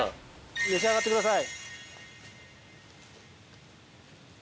召し上がってください。